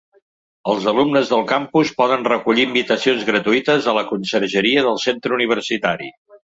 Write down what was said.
Els alumnes del campus poden recollir invitacions gratuïtes a la consergeria del centre universitari.